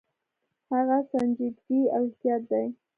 هغه سنجیدګي او احتیاط دی.